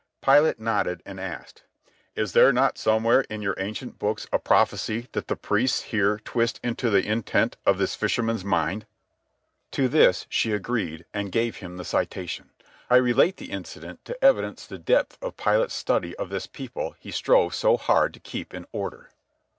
Pilate nodded and asked: "Is there not somewhere in your ancient books a prophecy that the priests here twist into the intent of this fisherman's mind?" To this she agreed, and gave him the citation. I relate the incident to evidence the depth of Pilate's study of this people he strove so hard to keep in order.